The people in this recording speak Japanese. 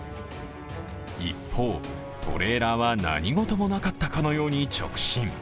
一方、トレーラーは何事もなかったかのように直進。